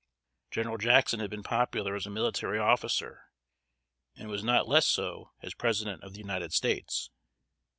General Jackson had been popular as a military officer, and was not less so as President of the United States.